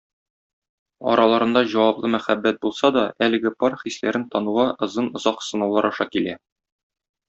Араларында җаваплы мәхәббәт булса да, әлеге пар хисләрен тануга озын-озак сынаулар аша килә.